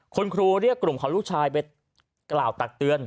คุณครูเรียกกลุ่มของลูกชายไปกล่าวตักเตือน